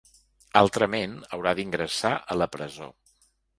Altrament, haurà d’ingressar a la presó.